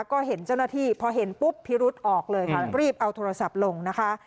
ก็เห็นเจ้าหน้าที่พอเห็นปุ๊บพิรุษออกเลยค่ะรีบเอาโทรศัพท์ลงนะคะ